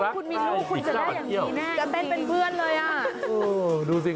ถ้าคุณมีลูกคุณจะได้อย่างดี